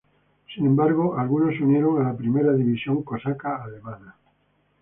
Sin embargo, algunos se unieron a la Primera División Cosaca alemana.